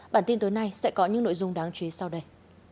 bản tin tối nay sẽ có những nội dung đáng chú ý sau đây